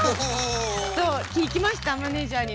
そう聞きましたマネージャーに。